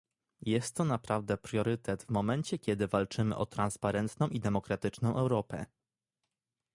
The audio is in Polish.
Jest to naprawdę priorytet w momencie, kiedy walczymy o transparentną i demokratyczną Europę